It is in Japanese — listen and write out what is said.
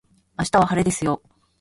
明日は晴れですよ